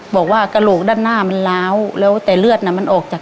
บอกว่ากรูกด้านหน้ามันร้าวแล้วแต่เรือดมันออก